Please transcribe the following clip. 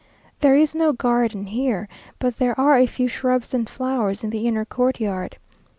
There is no garden here, but there are a few shrubs and flowers in the inner courtyard.